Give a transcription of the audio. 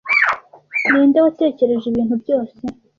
ninde watekereje ibintu byose